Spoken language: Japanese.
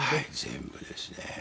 全部ですね。